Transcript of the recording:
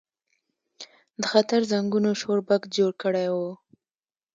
د خطر زنګونو شور بګت جوړ کړی و.